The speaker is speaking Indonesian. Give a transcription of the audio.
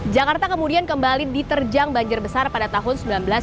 jakarta kemudian kembali diterjang banjir besar pada tahun seribu sembilan ratus sembilan puluh